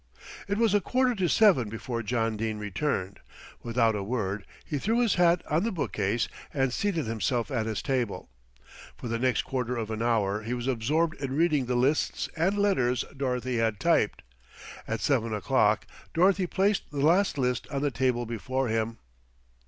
It was a quarter to seven before John Dene returned. Without a word he threw his hat on the bookcase and seated himself at his table. For the next quarter of an hour he was absorbed in reading the lists and letters Dorothy had typed. At seven o'clock Dorothy placed the last list on the table before him.